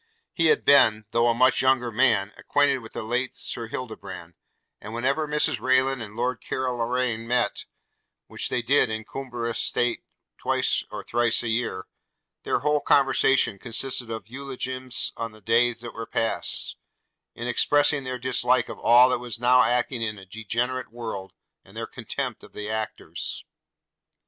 He had been, though a much younger man, acquainted with the late Sir Hildebrand; and whenever Mrs Rayland and Lord Carloraine met, which they did in cumbrous state twice or thrice a year, their whole conversation consisted of eulogiums on the days that were passed, in expressing their dislike of all that was now acting in a degenerate world, and their contempt of the actors.